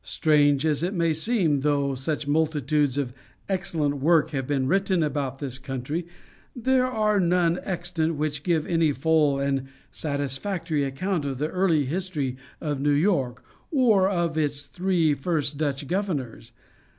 Strange as it may seem, though such multitudes of excellent works have been written about this country, there are none extant which give any full and satisfactory account of the early history of New York, or of its three first Dutch Governors.